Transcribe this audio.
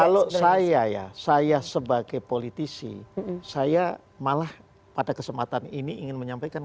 kalau saya ya saya sebagai politisi saya malah pada kesempatan ini ingin menyampaikan